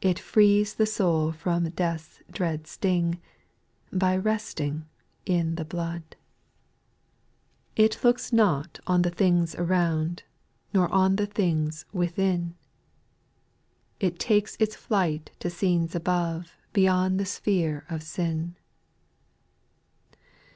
It frees the soul from death's dread stingy By resting in the blood. 13 146 SPIRITUAL SONGS. 2. It looks not on the things around, Nor on the things within^ It takes its flight to scenes above, Beyond the sphere of sin.